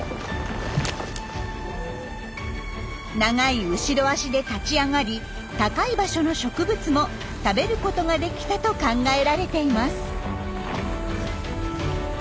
長い後ろ足で立ち上がり高い場所の植物も食べることができたと考えられています。